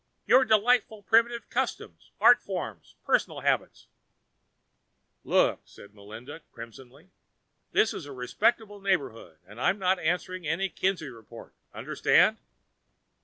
"Your delightful primitive customs, art forms, personal habits " "Look," Melinda said, crimsoning. "This is a respectable neighborhood, and I'm not answering any Kinsey report, understand?"